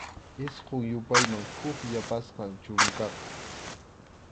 Isqun yupayman huk yapasqam chunkaqa.